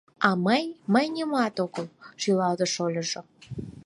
— А мый... мый нимат огыл, — шӱлалтыш шольыжо.